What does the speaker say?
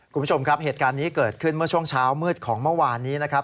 คุณผู้ชมครับเหตุการณ์นี้เกิดขึ้นเมื่อช่วงเช้ามืดของเมื่อวานนี้นะครับ